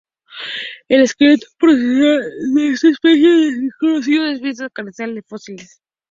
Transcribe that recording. El esqueleto postcraneal de esta especie es desconocido debido a la carencia de fósiles.